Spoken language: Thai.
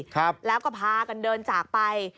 ครับแล้วก็พากันเดินจากไป